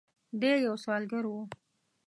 د ی یو سوداګر و.